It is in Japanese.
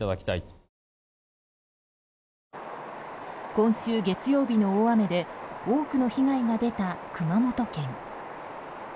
今週月曜日の大雨で多くの被害が出た熊本県。